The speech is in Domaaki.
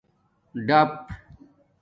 ڈَپ